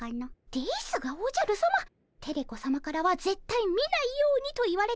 ですがおじゃるさまテレ子さまからはぜったい見ないようにと言われておりますが。